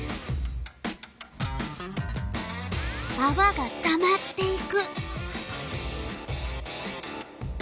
あわがたまっていく。